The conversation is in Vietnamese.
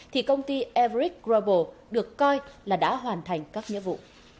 thì công ty everic rubble được coi là đã hoàn thành các nghĩa vụ